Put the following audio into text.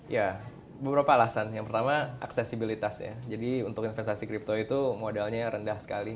ya beberapa alasan yang pertama aksesibilitasnya jadi untuk investasi crypto itu modalnya rendah sekali